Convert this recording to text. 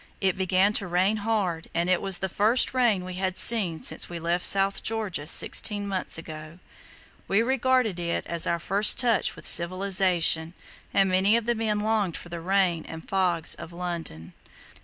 It began to rain hard, and it was the first rain that we had seen since we left South Georgia sixteen months ago. We regarded, it as our first touch with civilization, and many of the men longed for the rain and fogs of London.